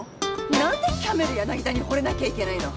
何でキャメル柳田にほれなきゃいけないの！